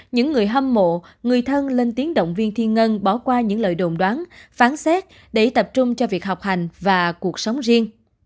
những người hâm mộ người thân lên tiếng động viên thiên ngân bỏ qua những lời đồn đoán phán xét để tập trung cho việc học hành và cuộc sống riêng